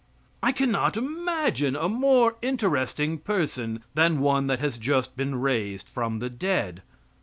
I cannot imagine a more interesting person than one that has just been raised from the dead.